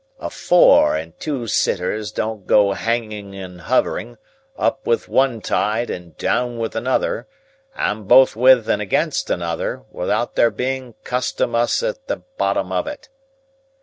A four and two sitters don't go hanging and hovering, up with one tide and down with another, and both with and against another, without there being Custom 'Us at the bottom of it."